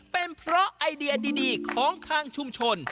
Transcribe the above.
เป็นเพราะไอเดียดีของทางชุมชน